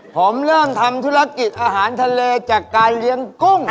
ผมเริ่มทำธุรกิจอาหารทะเลจากการเลี้ยงกุ้ง